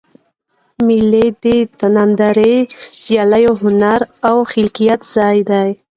مېلې د نندارې، سیالۍ، هنر او خلاقیت ځای دئ.